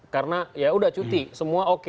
karena ya sudah cuti semua oke